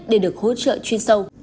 để được hỗ trợ chuyên sâu